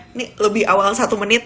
ini lebih awal satu menit